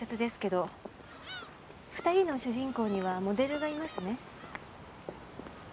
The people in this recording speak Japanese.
２人の主人公にはモデルがいますね？